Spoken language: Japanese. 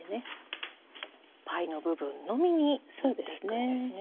パイの部分のみに塗っていくんですね。